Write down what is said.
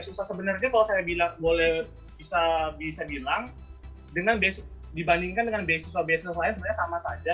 susah sebenarnya kalau saya bisa bilang dibandingkan dengan beasiswa beasis lain sebenarnya sama saja